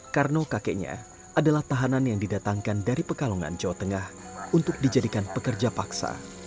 karno kakeknya adalah tahanan yang didatangkan dari pekalongan jawa tengah untuk dijadikan pekerja paksa